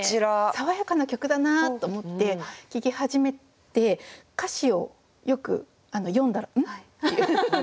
爽やかな曲だなと思って聴き始めて歌詞をよく読んだら「うん？」っていう。